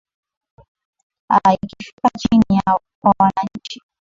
aa ikifikia chini kwa wananchi